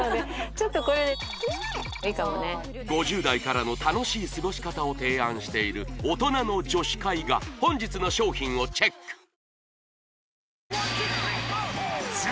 ５０代からの楽しい過ごし方を提案している大人の女史会が本日の商品をチェック